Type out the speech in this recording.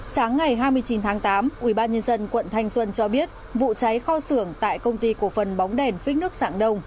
sáng ngày hai mươi chín tháng tám ubnd quận thanh xuân cho biết vụ cháy kho xưởng tại công ty cổ phần bóng đèn phích nước dạng đông